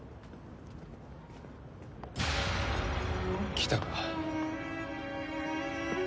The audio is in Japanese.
来たか。